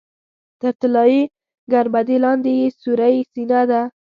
تر طلایي ګنبدې لاندې یې سورۍ سینه ده.